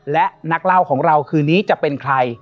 และนักเล่าของเราคืนนี้จะเป็นใคร